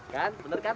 kan bener kan